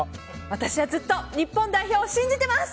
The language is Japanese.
私はずっと日本代表を信じてます！